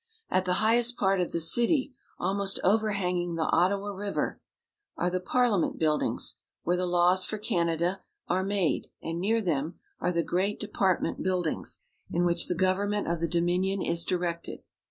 At the highest part of the city, almost overhanging the Ottawa River, are the Parliament buildings, where the laws for Canada are made ; and near them are the great depart ment buildings, in which the government of the Dominion is directed.